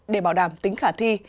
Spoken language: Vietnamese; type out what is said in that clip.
để bảo đảm tính khả thi